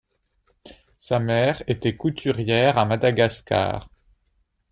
Sa mère était couturière à Madagascar.